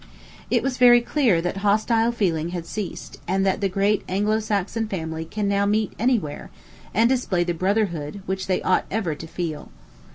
It was very clear that hostile feeling had ceased, and that the great Anglo Saxon family can now meet any where and display the brotherhood which they ought ever to feel.